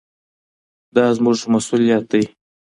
دا زموږ مسووليت دی.